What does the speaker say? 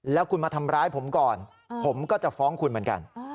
แล้วคุณมาทำร้ายผมก่อนผมก็จะฟ้องคุณเหมือนกัน